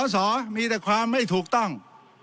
สอมีแต่ความไม่ถูกต้อง